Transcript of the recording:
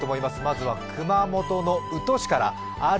まずは熊本の宇土市から。